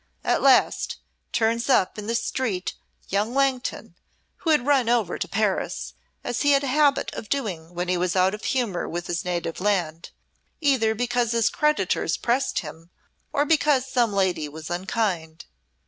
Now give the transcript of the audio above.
At last, turns up in the street young Langton, who had run over to Paris, as he had a habit of doing when he was out of humour with his native land, either because his creditors pressed him, or because some lady was unkind.